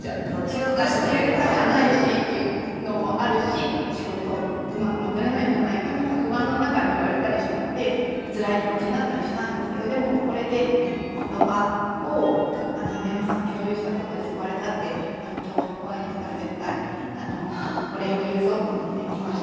休暇じゃないしっていうのもあるし仕事うまく戻れないんじゃないかとか不安の中に言われたりしたのでつらい気持ちになったりしたんですけどでもこれでって今日お会いできたら絶対お礼を言うぞと思って来ました。